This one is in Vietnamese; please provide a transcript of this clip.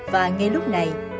và ngay lúc này